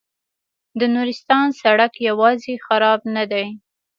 د نورستان سړک یوازې خراب نه دی.